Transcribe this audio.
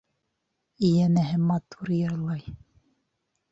Йәнәһе, матур йырлай.